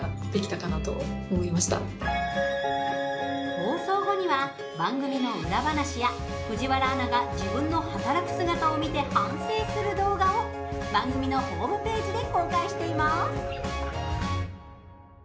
放送後には番組の裏話や藤原アナが自分の働く姿を見て反省する動画を、番組のホームページで公開しています。